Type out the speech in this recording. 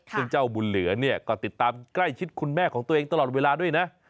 ซึ่งเจ้าบุญเหลือเนี่ยก็ติดตามใกล้ชิดคุณแม่ของตัวเองตลอดเวลาด้วยนะ